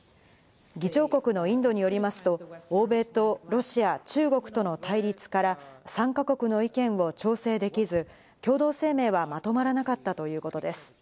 議長国のインドによりますと欧米とロシア・中国との対立から参加国の意見を調整できず、共同声明はまとまらなかったということです。